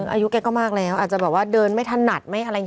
อายุแกก็มากแล้วอาจจะบอกว่าเดินไม่ถนัด